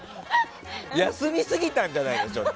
休みすぎたんじゃないの？